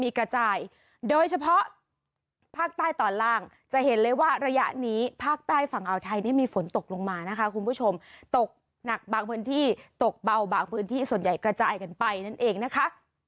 มีกระจายโดยเฉพาะภาคใต้ตอนล่างจะเห็นเลยว่าระยะนี้ภาคใต้ฝั่งอ่าวไทยนี่มีฝนตกลงมานะคะคุณผู้ชมตกหนักบางพื้นที่ตกเบาบางพื้นที่ส่วนใหญ่กระจายกันไปนั่นเองนะคะ